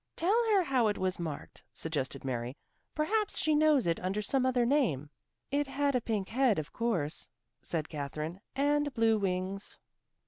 Tell her how it was marked," suggested Mary. "Perhaps she knows it under some other name." "It had a pink head, of course," said Katherine, "and blue wings."